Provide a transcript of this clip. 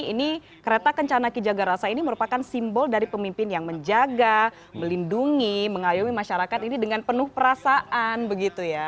ini kereta kencana ki jagarasa ini merupakan simbol dari pemimpin yang menjaga melindungi mengayomi masyarakat ini dengan penuh perasaan begitu ya